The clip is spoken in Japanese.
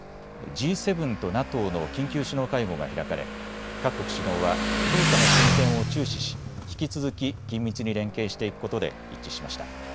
Ｇ７とＮＡＴＯの緊急首脳会合が開かれ各国首脳は調査の進展を注視し引き続き緊密に連携していくことで一致しました。